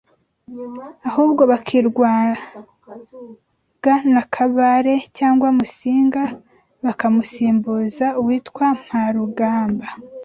ahubwo bakirwaga na Kabare cyangwa Musinga bakamusimbuza uwitwa Mpamarugamba,